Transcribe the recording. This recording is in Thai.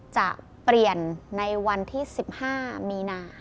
จะเปลี่ยนในวันที่๑๕มีนา